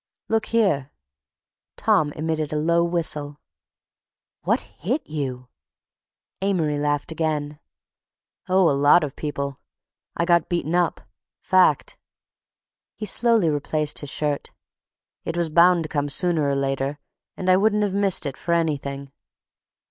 "Look here!" Tom emitted a low whistle. "What hit you?" Amory laughed again. "Oh, a lot of people. I got beaten up. Fact." He slowly replaced his shirt. "It was bound to come sooner or later and I wouldn't have missed it for anything."